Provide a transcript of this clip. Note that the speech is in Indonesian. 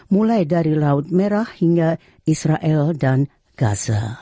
mulai dari laut merah hingga israel dan gaza